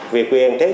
và việc quy an tết